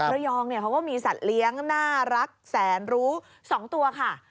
เขาก็มีสัตว์เลี้ยงน่ารักแสนรู้๒ตัวค่ะ